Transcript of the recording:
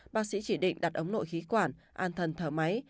bác sĩ chỉ định đặt ống nội khí quản an thần thở máy